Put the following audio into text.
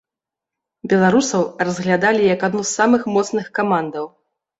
Беларусаў разглядалі як адну з самых моцных камандаў.